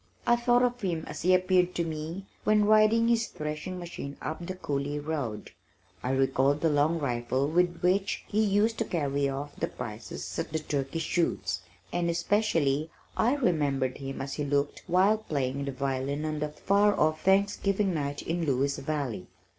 I thought of him as he appeared to me when riding his threshing machine up the coulee road. I recalled the long rifle with which he used to carry off the prizes at the turkey shoots, and especially I remembered him as he looked while playing the violin on that far off Thanksgiving night in Lewis Valley.